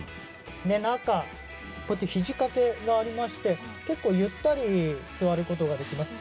中はひじかけがありまして結構ゆったり座ることができます。